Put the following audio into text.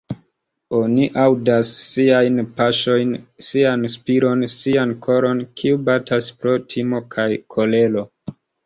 Oni aŭdas siajn paŝojn, sian spiron, sian koron, kiu batas pro timo kaj kolero...